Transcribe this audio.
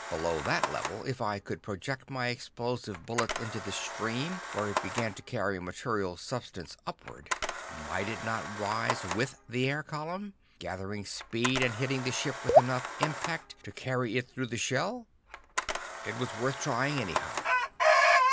Below that level if I could project my explosive bullet into this stream where it began to carry material substance upward, might it not rise with the air column, gathering speed and hitting the ship with enough impact to carry it through the shell? It was worth trying anyhow.